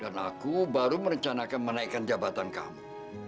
dan aku baru merencanakan menaikkan jabatan kamu